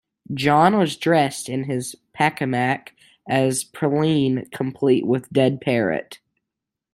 John was dressed in his Pacamac as Praline, complete with dead parrot.